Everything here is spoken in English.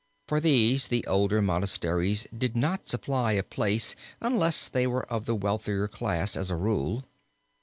For these the older monasteries did not supply a place unless they were of the wealthier class as a rule.